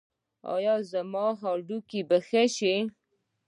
ایا زما هډوکي به ښه شي؟